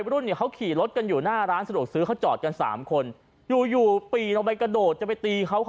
ของเราคืออยุธยาแต่เมื่อไม่ใช่ศึก